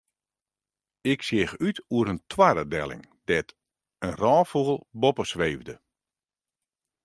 Ik seach út oer in toarre delling dêr't in rôffûgel boppe sweefde.